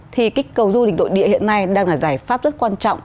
thì kích cầu du lịch nội địa hiện nay đang là giải pháp rất quan trọng